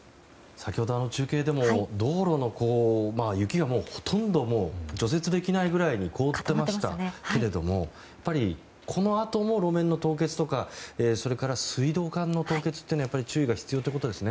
先ほどの中継でも道路の雪がほとんど除雪できないぐらいに凍っていましたけれどもこのあとも路面の凍結とか水道管の凍結というのは注意が必要ということですね。